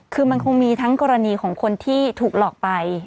คือมันคงมีทั้งกรณีของคนที่ถูกหลอกไป